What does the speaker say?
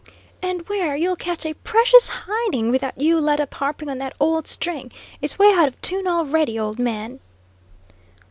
"And where you'll catch a precious hiding, without you let up harping on that old string; it's way out of tune already, old man."